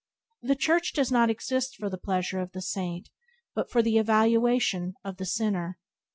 The Church does not exist for the pleasure of the saint but for the elevation of the sinner.